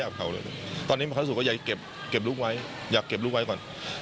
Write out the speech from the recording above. ก็ตอนนี้เขาคิดว่าอยากเก็บลูกไว้ก่อน